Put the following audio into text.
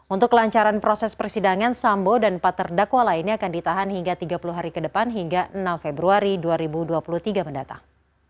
untuk kelancaran proses persidangan sambo dan empat terdakwa lainnya akan ditahan hingga tiga puluh hari ke depan hingga enam februari dua ribu dua puluh tiga mendatang